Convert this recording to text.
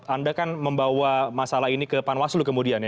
anda kan membawa masalah ini ke panwaslu kemudian ya